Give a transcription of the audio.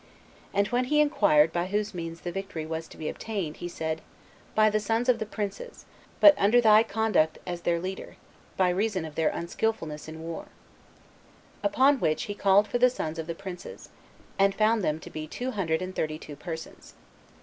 And when he inquired by whose means the victory was to be obtained, he said, "By the sons of the princes; but under thy conduct as their leader, by reason of their unskilfulness [in war]." Upon which he called for the sons of the princes, and found them to be two hundred and thirty two persons.